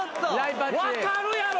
分かるやろ。